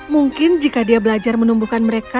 mungkin jika dia belajar menumbuhkan mereka